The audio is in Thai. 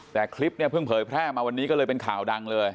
แต่คลิปเนี่ยเพิ่งเผยแพร่มาวันนี้ก็เลยเป็นข่าวดังเลย